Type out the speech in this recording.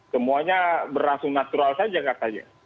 semuanya berlangsung natural saja katanya